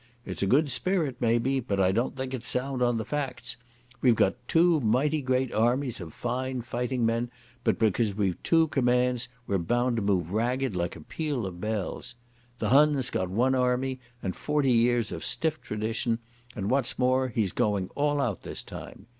It's a good spirit, maybe, but I don't think it's sound on the facts. We've got two mighty great armies of fine fighting men, but, because we've two commands, we're bound to move ragged like a peal of bells. The Hun's got one army and forty years of stiff tradition, and, what's more, he's going all out this time.